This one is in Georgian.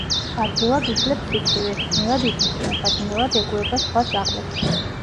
ადვილად უძლებს სიცივეს, ძნელად იწვრთნება, ძნელად ეგუება სხვა ძაღლებს.